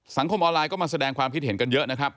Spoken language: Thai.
สังคมออนไลน์ก็มาแสดงความคิดเห็นกันเยอะนะครับ